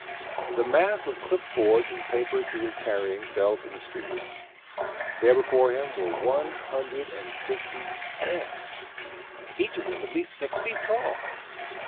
The mass of clipboards and papers he was carrying fell to the street. There before him were one hundred and fifty ants, each of them at least six feet tall.